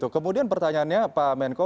kemudian pertanyaannya pak menko